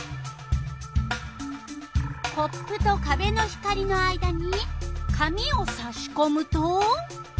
コップとかべの光の間に紙をさしこむと？